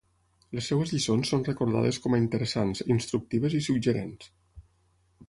Les seves lliçons són recordades com a interessants, instructives i suggerents.